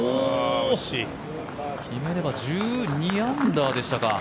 決めれば１２アンダーでしたか。